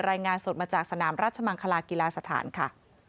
รายงานสดมาจากสนามราชมังคลากีฬาสถานค่ะ